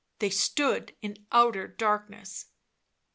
They stood in outer darkness.